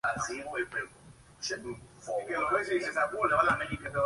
Miguel Ydígoras Fuentes.